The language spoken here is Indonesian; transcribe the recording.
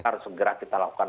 harus segera kita lakukan